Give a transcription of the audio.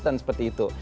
dan seperti itu